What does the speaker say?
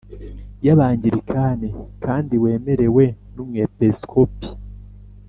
Y abangilikani kandi wemerewe n umwepisikopi